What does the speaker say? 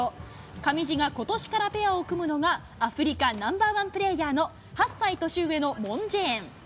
上地がことしからペアを組むのが、アフリカナンバーワンプレーヤーの８歳年上のモンジェーン。